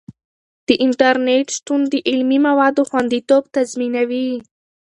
د انټرنیټ شتون د علمي موادو خوندیتوب تضمینوي.